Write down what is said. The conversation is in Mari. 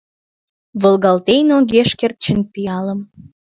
Волгалтен огеш керт чын пиалым.